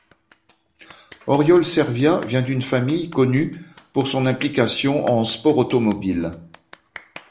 Oriol Servia vient d'une famille connue pour son implication en sport automobile.